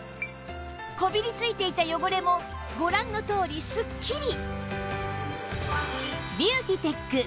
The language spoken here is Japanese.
こびりついていた汚れもご覧のとおりスッキリ！